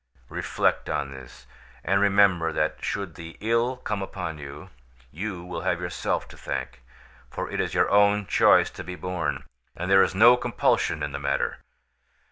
Reflect on this, and remember that should the ill come upon you, you will have yourself to thank, for it is your own choice to be born, and there is no compulsion in the matter.